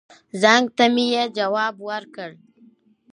زنګ ته مې يې ځواب ور کړ.